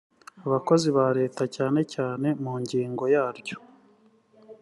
abakozi ba leta cyane cyane mu ngingo yaryo